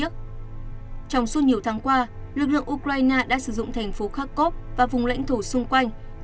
trong suốt nhiều tháng qua lực lượng ukraine đã sử dụng thành phố kharkov và vùng lãnh thổ xung quanh